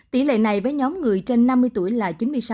tỷ lệ này với nhóm người trên năm mươi tuổi là chín mươi sáu